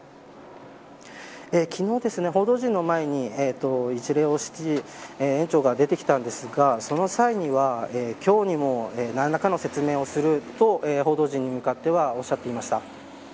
昨日、報道陣の前に園長が出てきたんですがその際には今日にも何らかの説明をすると報道陣に向かってはおっしゃっていました。